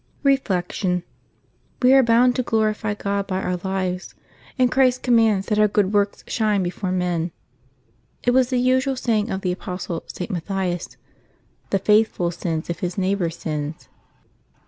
Reflection. — We are bound to glorify God by our lives, and Christ commands that our good works shine before August 10] LIVES OF TEE SAINTS 277 men. It was the usual saying of the apostle St. Matthias, '' The faithful sins if his neighbor sins."